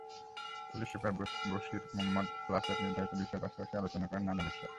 Police super Bashir Ahmed ক্লাসের নির্ধারিত বিষয়ের পাশাপাশি আলোচনা করেন নানা বিষয়।